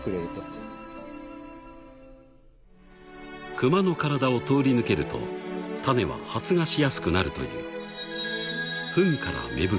［クマの体を通り抜けると種は発芽しやすくなるという］